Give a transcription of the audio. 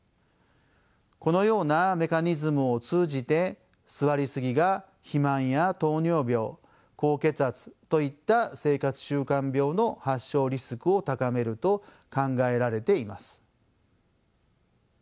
このようなメカニズムを通じて座りすぎが肥満や糖尿病高血圧といった生活習慣病の発症リスクを高めると考えられています。